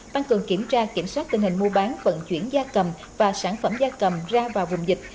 tăng cường kiểm tra kiểm soát tình hình mua bán vận chuyển da cầm và sản phẩm da cầm ra vào vùng dịch